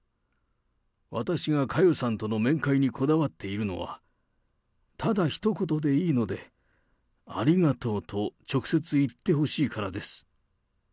私が佳代さんとの面会にこだわっているのは、ただひと言でいいので、ありがとうと直接言ってほしいからです。